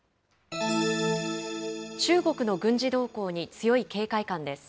中国の軍事動向に強い警戒感です。